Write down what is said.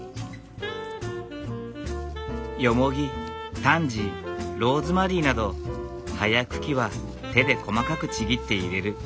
よもぎタンジーローズマリーなど葉や茎は手で細かくちぎって入れる。